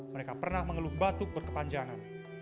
mereka pernah mengeluh batuk berkepanjangan